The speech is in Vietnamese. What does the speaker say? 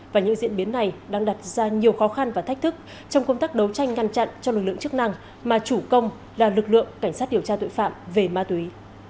và những diễn biến này đang đặt ra nhiều khó khăn và thách thức trong công tác đấu tranh ngăn chặn cho lực lượng chức năng mà chủ công là lực lượng cảnh sát điều tra tội phạm về ma túy